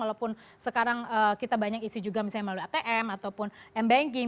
walaupun sekarang kita banyak isi juga misalnya melalui atm ataupun mbanking